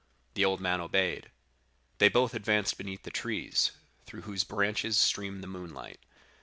The old man obeyed. They both advanced beneath the trees, through whose branches streamed the moonlight.